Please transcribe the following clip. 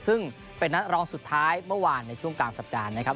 ซึ่งเป็นนัดรองสุดท้ายเมื่อวานในช่วงกลางสัปดาห์นะครับ